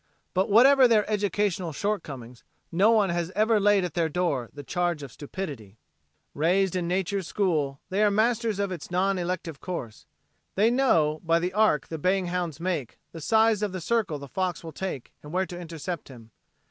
But whatever their educational shortcomings, no one has ever laid at their door the charge of stupidity. Raised in nature's school they are masters of its non elective course. They know by the arc the baying hounds make the size of the circle the fox will take and where to intercept him.